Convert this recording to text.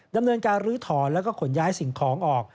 ดำเนินการลื้อถอนแล้วก็ขนย้ายสิ่งของออก